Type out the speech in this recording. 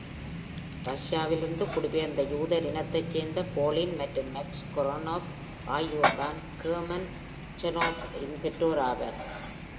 ரஷ்யாவிலிருந்து குடிபெயர்ந்த யூதர் இனைத்தைச் சேர்ந்த Pauline மற்றும் Max Chernoff ஆகியோர்தாம் Herman Chernoff-இன் பெற்றோர்கள் ஆவர்.